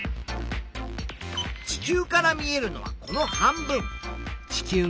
地球から見えるのはこの半分。